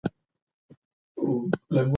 خورما ونې د نړۍ په ګرمو سیمو کې وده کوي.